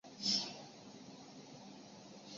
扁豆缘花介为粗面介科缘花介属下的一个种。